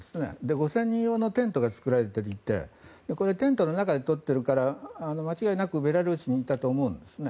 ５０００人用のテントが作られていてこれ、テントの中で撮っているから間違いなくベラルーシにいたと思うんですね。